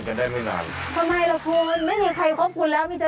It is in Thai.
ข้าวมะนุนโทโอ้โฮ